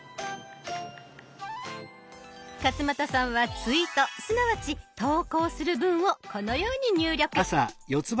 勝俣さんはツイートすなわち投稿する文をこのように入力。